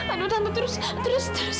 aduh tante terus terus terus